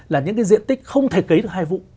là những cái diện tích không thể cấy được hai vụ